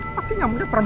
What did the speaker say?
pastinya nama ayah ini